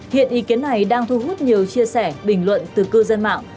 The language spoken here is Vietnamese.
hiện ý kiến này đang thu hút nhiều chia sẻ bình luận từ cư dân mạng